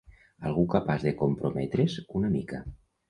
Algú capaç de comprometre's una mica.